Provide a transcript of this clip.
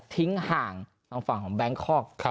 ทิ้งห่างทางฝั่งของแบงค์คล็อกครับ